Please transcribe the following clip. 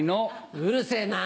うるせぇな。